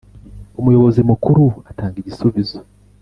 umuyobozi mukuru atanga igisubizo